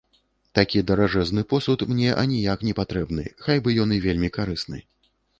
Такі даражэзны посуд мне аніяк непатрэбны, хай бы ён і вельмі карысны.